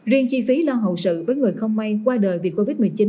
riêng chi phí lo hậu sự với người không may qua đời vì covid một mươi chín